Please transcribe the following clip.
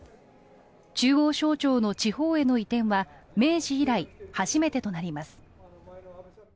中央省庁の地方への移転は明治以来、初めてとなります。